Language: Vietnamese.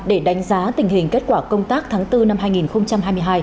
để đánh giá tình hình kết quả công tác tháng bốn năm hai nghìn hai mươi hai